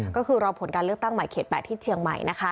ก็คือรอผลการเลือกตั้งใหม่เขต๘ที่เชียงใหม่นะคะ